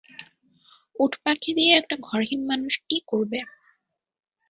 উটপাখি দিয়ে একটা ঘরহীন মানুষ কি করবে?